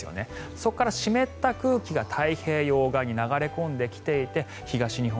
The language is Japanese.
そこから湿った空気が太平洋側に流れ込んできていて東日本、